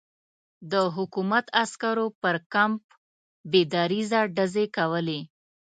د حکومت عسکرو پر کمپ بې دریغه ډزې کولې.